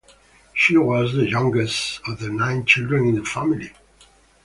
She was the youngest of the nine children in the family.